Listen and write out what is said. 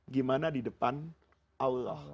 gimana di depan allah